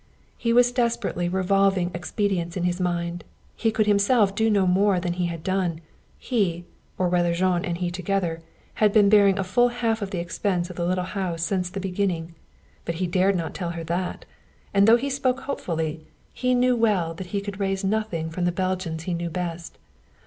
He was desperately revolving expedients in his mind. He could himself do no more than he had done. He, or rather Jean and he together, had been bearing a full half of the expense of the little house since the beginning. But he dared not tell her that. And though he spoke hopefully, he knew well that he could raise nothing from the Belgians he knew best.